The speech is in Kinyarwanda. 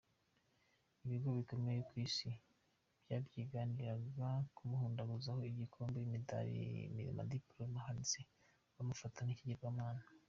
Ibigo bikomeye kw’isi byabyiganiraga kumuhundazaho ibikombe, imidali n’amadipolome ahanitse, bamufata nk’ikigirwamana.